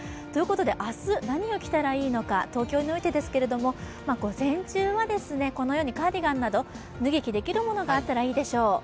明日何を着たらいいのか、東京においてですけれども、午前中はこのようにカーディガンなど脱ぎ着できるものがあったらいいでしょう。